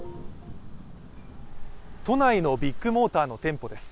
都内のビッグモーターの店舗です。